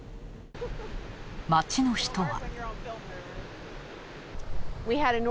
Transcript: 町の人は。